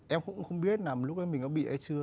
em cũng không biết là lúc ấy mình có bị hay chưa